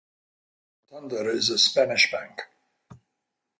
Although Santander is a Spanish bank.